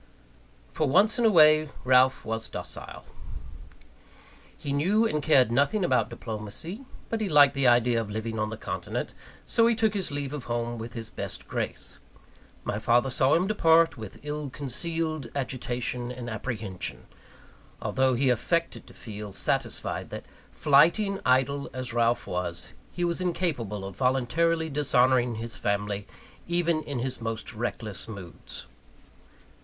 For once in a way, Ralph was docile. He knew and cared nothing about diplomacy; but he liked the idea of living on the continent, so he took his leave of home with his best grace. My father saw him depart, with ill concealed agitation and apprehension; although he affected to feel satisfied that, flighty and idle as Ralph was, he was incapable of voluntarily dishonouring his family, even in his most reckless moods.